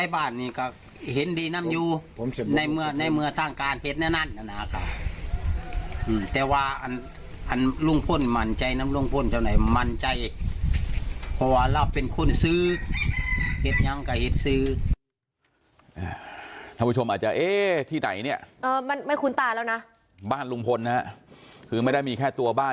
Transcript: บ้านลุงพลนะครับคือไม่ได้มีแค่ตัวบ้าน